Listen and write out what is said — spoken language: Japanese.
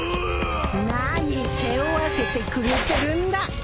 何背負わせてくれてるんだ。